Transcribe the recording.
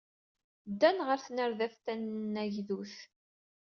Ddan ɣer tnerdabt tanagdudt.